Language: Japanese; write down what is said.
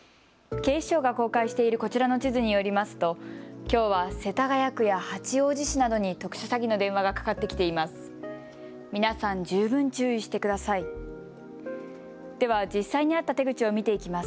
警視庁が公開しているこちらの地図によりますときょうは世田谷区や八王子市などに特殊詐欺の電話がかかってきています。